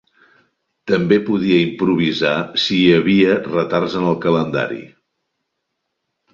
També podia improvisar si hi havia retards en el calendari.